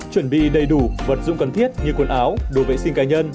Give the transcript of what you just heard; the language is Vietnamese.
chuẩn bị đầy đủ vật dụng cần thiết như quần áo đồ vệ sinh cá nhân